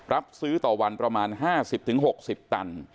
รับซื้อต่อวันประมาณห้าสิบถึงหกสิบตัน